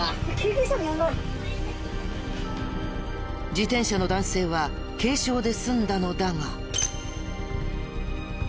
自転車の男性は軽傷で済んだのだが。